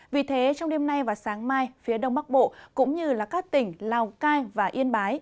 vì thế trong đêm nay và sáng mai phía đông bắc bộ cũng như các tỉnh lào cai và yên bái